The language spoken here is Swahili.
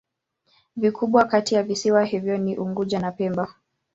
Vikubwa kati ya visiwa hivyo ni Unguja na Pemba.